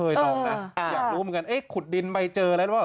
ลองนะอยากรู้เหมือนกันเอ๊ะขุดดินไปเจออะไรหรือเปล่า